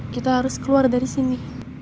kita harus keluar dari sini